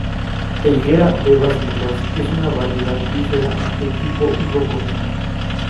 La higuera 'Brevas Negras' es una variedad "bífera" de tipo higo común.